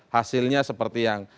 hasilnya seperti yang